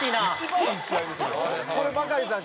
これバカリさん